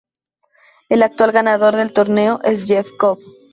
El actual ganador del torneo es Jeff Cobb.